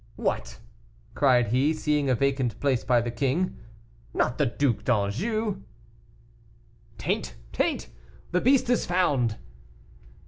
"What!" cried he, seeing a vacant place by the king, "not the Duc d'Anjou?" "Taint! Taint! the beast is found."